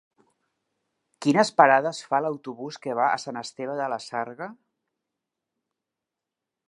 Quines parades fa l'autobús que va a Sant Esteve de la Sarga?